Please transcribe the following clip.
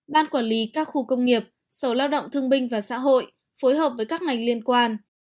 ban quản lý các khu công nghiệp sở lao động thương binh và xã hội phối hợp với các ngành liên quan